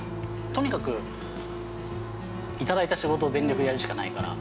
◆とにかく、いただいた仕事を全力でやるしかないから。